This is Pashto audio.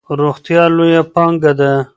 روغتیا لویه پانګه ده.